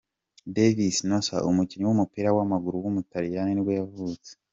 Devis Nossa, umukinnyi w’umupira w’amaguru w’umutaliyani nibwo yavutse.